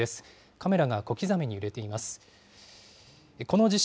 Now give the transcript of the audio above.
カメラが小刻みに揺れています。